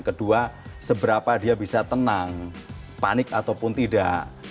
kedua seberapa dia bisa tenang panik ataupun tidak